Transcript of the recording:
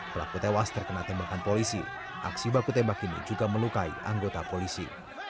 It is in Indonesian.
pelaku tewas terkena tembakan polisi aksi baku tembak ini juga melukai anggota polisi